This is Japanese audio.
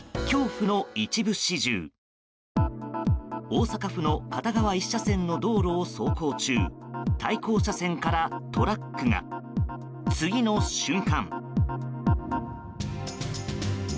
大阪府の片側１車線の道路を走行中対向車線からトラックが次の瞬間。